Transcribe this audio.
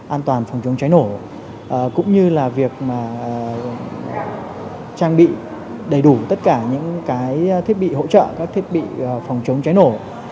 an toàn phòng chống cháy nổ cũng như là việc trang bị đầy đủ tất cả những cái thiết bị hỗ trợ các thiết bị phòng chống cháy nổ